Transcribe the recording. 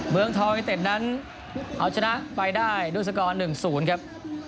เมืองทองอินเต็ดนั้นเอาชนะไปได้รุศกรหนึ่งศูนย์ครับ